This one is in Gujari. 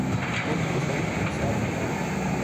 مولوی یونس بانیا کو ڈیرو سیال فتح جنگ ما تھو